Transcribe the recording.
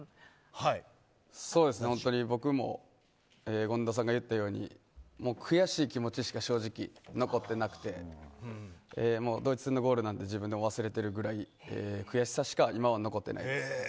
本当に、僕も権田さんが言ったように悔しい気持ちしか正直、残ってなくてドイツ戦のゴールなんて自分でも忘れてるぐらい悔しさしか今は残っていない。